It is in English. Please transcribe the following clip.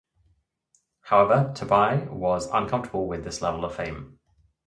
However, Tabei was uncomfortable with this level of fame.